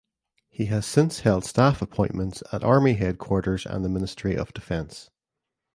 He has since held staff appointments at Army Headquarters and the Ministry of Defence.